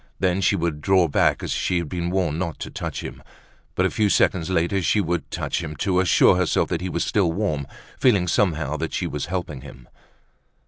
Then she would draw back as she had been warned not to touch him. But a few seconds later she would touch him to assure herself that he was still warm, feeling somehow that she was helping him.